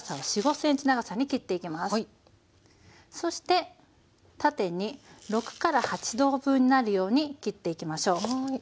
そして縦に６から８等分になるように切っていきましょう。